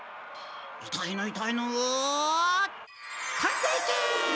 いたいのいたいのとんでいけ！